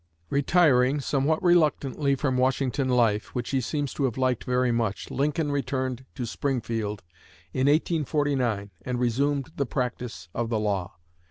Retiring, somewhat reluctantly, from Washington life, which he seems to have liked very much, Lincoln returned to Springfield in 1849 and resumed the practice of the law.